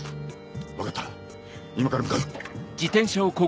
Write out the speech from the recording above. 分かった今から向かう。